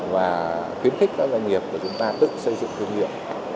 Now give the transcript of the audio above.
và khuyến khích các doanh nghiệp của chúng ta tự xây dựng thương hiệu